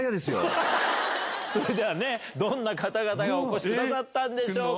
それではどんな方々がお越しくださったんでしょうか。